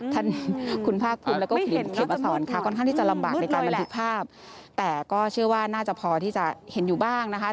ท่านคุณภาคภูมิแล้วก็คุณเขมมาสอนค่ะค่อนข้างที่จะลำบากในการบันทึกภาพแต่ก็เชื่อว่าน่าจะพอที่จะเห็นอยู่บ้างนะคะ